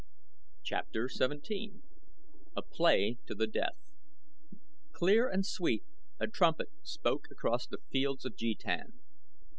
CHAPTER XVII A PLAY TO THE DEATH Clear and sweet a trumpet spoke across The Fields of Jetan.